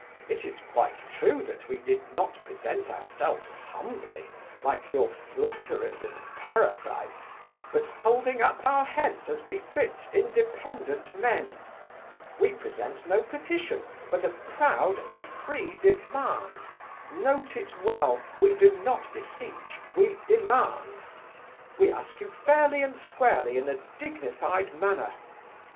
It is quite true that we did not present ourselves humbly, like your flatterers and parasites, but holding up our heads as befits independent men. We present no petition, but a proud and free demand (note it well, we do not beseech, we demand!). We ask you fairly and squarely in a dignified manner.